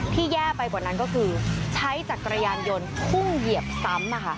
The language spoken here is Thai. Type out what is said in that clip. แย่ไปกว่านั้นก็คือใช้จักรยานยนต์พุ่งเหยียบซ้ำ